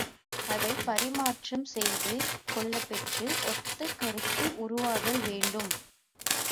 அவை பரிமாற்றம் செய்து கொள்ளப்பெற்று ஒத்த கருத்து உருவாதல் வேண்டும்.